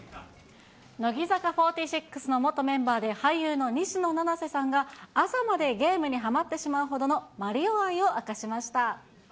乃木坂４６の元メンバーで俳優の西野七瀬さんが、朝までゲームにはまってしまうほどのマリオ愛を明かしました。